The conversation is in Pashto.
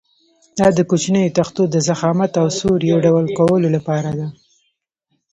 دا د کوچنیو تختو د ضخامت او سور یو ډول کولو لپاره ده.